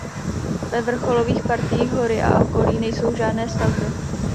Ve vrcholových partiích hory a okolí nejsou žádné stavby.